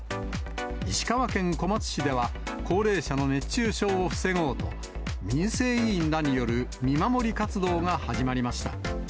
石川県小松市では、高齢者の熱中症を防ごうと、民生委員らによる見守り活動が始まりました。